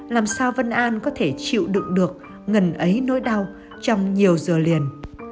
làm sao vân an có thể chịu đựng được ngần ấy nỗi đau trong nhiều giờ liền